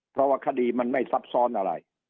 เพราะว่าคดีมันไม่ซับซ้อนอะไร